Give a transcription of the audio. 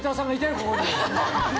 ここに。